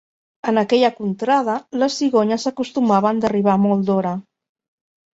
En aquella contrada les cigonyes acostumaven d'arribar molt d'hora.